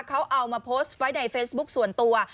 เขาเอามาโพสต์ไว้ในเฟซบุ๊คส่วนตัว